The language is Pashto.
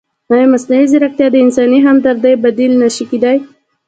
ایا مصنوعي ځیرکتیا د انساني همدردۍ بدیل نه شي کېدای؟